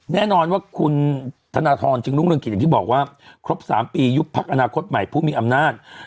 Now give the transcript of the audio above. แน่นอนว่าคุณธนทรจึงรุ่งเรืองกิจอย่างที่บอกว่าครบ๓ปียุบพักอนาคตใหม่ผู้มีอำนาจ